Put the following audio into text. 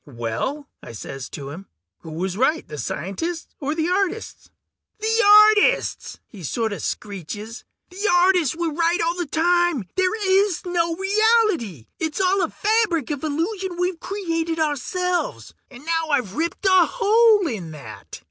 "Well," I says to him, "who was right, the scientists or the artists?" "The artists!" he sorta screeches. "The artists were right all the time ... there is no reality! It's all a fabric of illusion we've created ourselves! And now I've ripped a hole in that!"